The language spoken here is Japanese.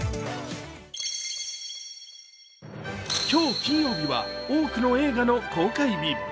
今日金曜日は多くの映画の公開日。